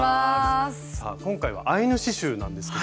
さあ今回は「アイヌ刺しゅう」なんですけど。